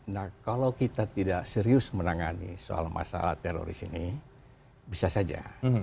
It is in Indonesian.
nah kalau kita tidak serius menangani soal masalah teroris ini bisa saja